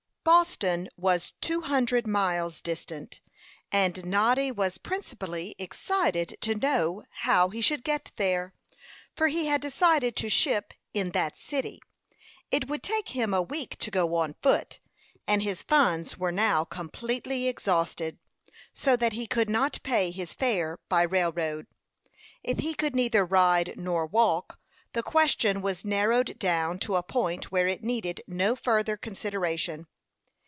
Boston was two hundred miles distant, and Noddy was principally excited to know how he should get there, for he had decided to ship in that city. It would take him a week to go on foot, and his funds were now completely exhausted, so that he could not pay his fare by railroad. If he could neither ride nor walk, the question was narrowed down to a point where it needed no further consideration.